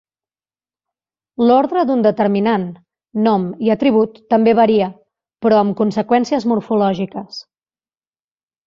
L'ordre d'un determinant, nom i atribut també varia, però amb conseqüències morfològiques.